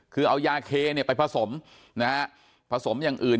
คือเอายาเคไปผสมนะฮะผสมอย่างอื่น